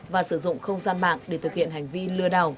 và sử dụng không gian mạng để thực hiện hành vi lừa đảo